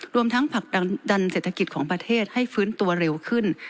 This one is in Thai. รวมทั้งผลักดันเศรษฐกิจของประเทศให้ฟื้นตัวเร็วขึ้น